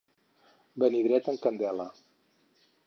Venir dret en candela.